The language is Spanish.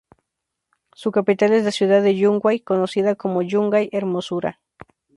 Su capital es la ciudad de Yungay, conocida como "Yungay Hermosura".